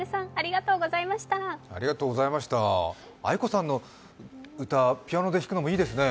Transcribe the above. ａｉｋｏさんの歌ピアノで弾くのもいいですね！